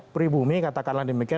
peribumi katakanlah demikian